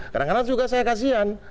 kadang kadang juga saya kasian